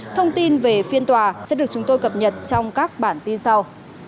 thông tin về phiên tòa sẽ được chúng tôi cập nhật trong các bản tin sau